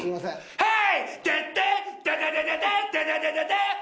はい。